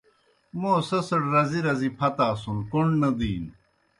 موں سیْسڑ رزی رزی پھتاسُن کوْݨ نہ دِینوْ۔